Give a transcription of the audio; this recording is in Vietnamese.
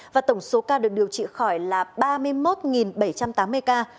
và tổng số ca được điều trị khỏi là ba mươi một bảy trăm tám mươi ca